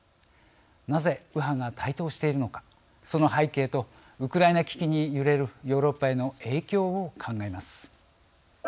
なぜ右派が台頭しているのかその背景とウクライナ危機に揺れるヨーロッパへの影響を考えます。